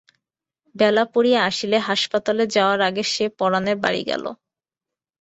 বেলা পড়িয়া আসিলে হাসপাতালে যাওয়ার আগে সে পরানের বাড়ি গেল।